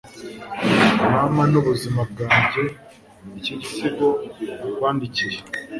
mama nubuzima bwanjye, iki gisigo nakwandikiye